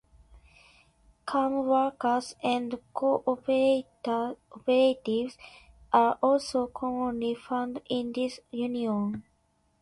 Farm workers and co-operatives are also commonly found in this union.